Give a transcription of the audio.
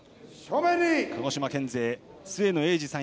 鹿児島県勢末野栄二さん